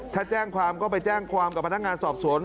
ถ้าแจ้งความก็ไปแจ้งความกับพนักงานสอบสวน